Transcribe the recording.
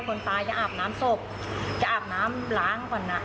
คนตายจะอาบน้ำศพจะอาบน้ำล้างก่อนอ่ะ